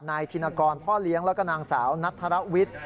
ธินกรพ่อเลี้ยงแล้วก็นางสาวนัทธรวิทย์